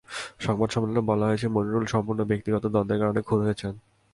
সংবাদ সম্মেলনে বলা হয়েছে, মনিরুল সম্পূর্ণ ব্যক্তিগত দ্বন্দ্বের কারণে খুন হয়েছেন।